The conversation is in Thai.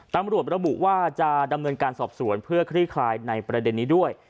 ตำรวจระบุว่าจะดำเนินการสอบสวนเพื่อคลี่คลายในประเด็นนี้ด้วย